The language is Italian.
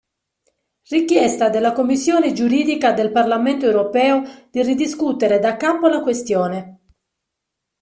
Richiesta della Commissione Giuridica del Parlamento Europeo di ridiscutere da capo la questione.